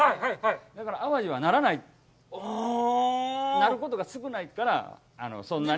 淡路はならないなることが少ないから、そんなに。